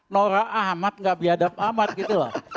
nora ahmad gak biadab amat gitu lah